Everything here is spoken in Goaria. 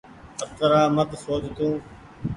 اترآ مت سوچ تو۔